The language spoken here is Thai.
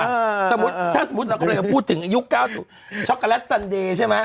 เราก็เพิ่งพูดถึงอายุ๙๐ช็อกโกแลตซันเดใช่ไหม